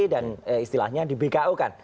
dan istilahnya di bku kan